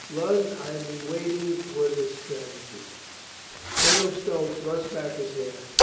Lud, I have been waiting for the tragedy." Colonel Stow thrust back his hair.